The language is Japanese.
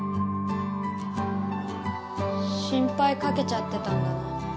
心ぱいかけちゃってたんだな。